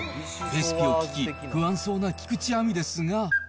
レシピを聞き、不安そうな菊地亜美ですが。